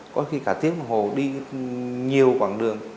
có khi cả tiếng hồ đi nhiều quảng đường